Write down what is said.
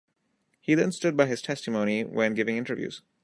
He then stood by his testimony when giving interviews.